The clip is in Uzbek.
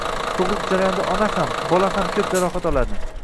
Tug`ruq jarayonida ona ham, bola ham ko`p jarohat oladi